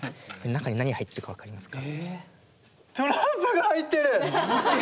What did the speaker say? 中に何が入ってるか分かりますか？